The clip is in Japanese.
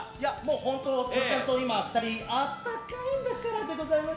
本当とりちゃんと２人あったかいんだからぁでございます！